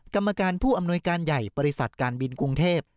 กรรมการผู้อำนวยการใหญ่บริษัทการบินกรุงเทพ